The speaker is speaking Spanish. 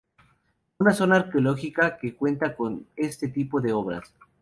Única zona arqueológica que cuenta con este tipo de obras.